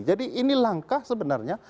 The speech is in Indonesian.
jadi ini langkah sebenarnya